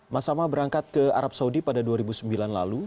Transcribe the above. mas amah berangkat ke arab saudi pada dua ribu sembilan lalu